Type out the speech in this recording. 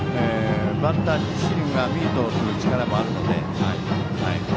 バッター自身がミートする力もあるので。